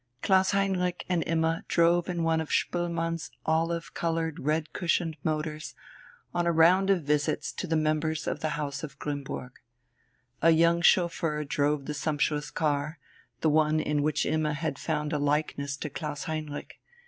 Klaus Heinrich and Imma drove in one of Spoelmann's olive coloured, red cushioned motors on a round of visits to the members of the House of Grimmburg. A young chauffeur drove the sumptuous car the one in which Imma had found a likeness to Klaus Heinrich.